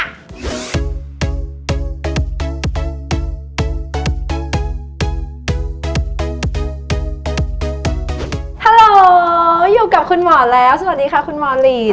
ฮัลโหลอยู่กับคุณหมอแล้วสวัสดีค่ะคุณหมอลีน